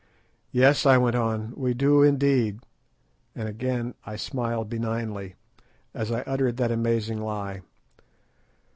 "Yes," I went on, "we do, indeed"; and again I smiled benignly, as I uttered that amazing lie.